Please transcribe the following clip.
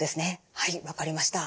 はい分かりました。